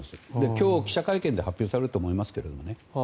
今日、記者会見で発表されると思いますけれどね。